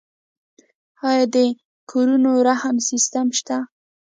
آیا د کورونو رهن سیستم شته؟